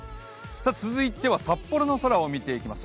続いては札幌の空を見ていきます。